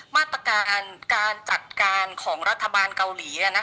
มาตรการการจัดการของรัฐบาลเกาหลี